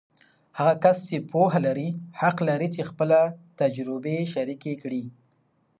هغه کس چې پوهه لري، حق لري چې خپله تجربې شریکې کړي.